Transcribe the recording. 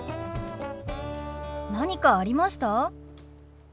何かありました？